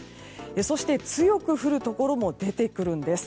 そして、強く降るところも出てくるんです。